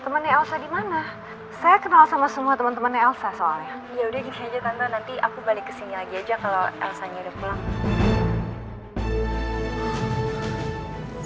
balik kesini lagi aja kalo elsanya udah pulang